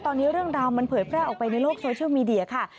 ตอนนี้เรื่องราวมันเผยแพร่ออกไปในโลกโซเชียลมีเดียค่ะ